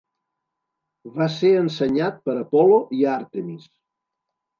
Va ser ensenyat per Apol·lo i Àrtemis.